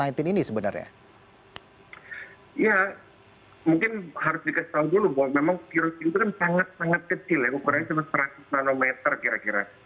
ya mungkin harus dikasih tahu dulu bahwa memang virus itu kan sangat sangat kecil ya ukurannya cuma satu ratus nanometer kira kira